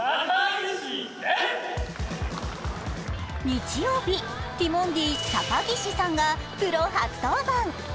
日曜日、ティモンディ高岸さんがプロ初登板。